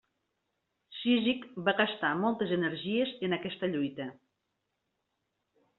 Cízic va gastar moltes energies en aquesta lluita.